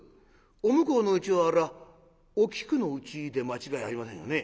「お向こうのうちはあらお菊のうちで間違いありませんよね？」。